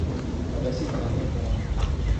اب ایسی کہانیاں کہاں۔